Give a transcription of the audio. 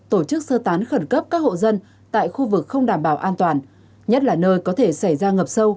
tổ chức sơ tán khẩn cấp các hộ dân tại khu vực không đảm bảo an toàn nhất là nơi có thể xảy ra ngập sâu